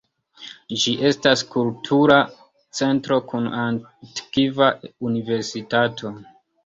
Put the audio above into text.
Ĝi estas kultura centro kun antikva universitato.